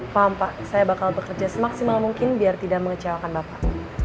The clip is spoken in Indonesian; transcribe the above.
paham pak saya bakal bekerja semaksimal mungkin biar tidak mengecewakan bapak